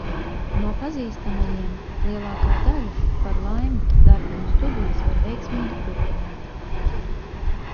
No pazīstamajiem lielākā daļa, par laimi, darbu un studijas var veiksmīgi turpināt.